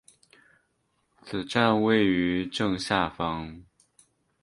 此站位于正下方。